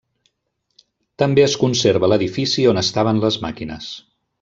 També es conserva l'edifici on estaven les màquines.